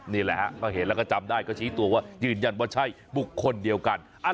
นี่แหละฮะก็เห็นแล้วก็จำได้ก็ชี้ตัวว่ายืนยันว่าใช่บุคคลเดียวกัน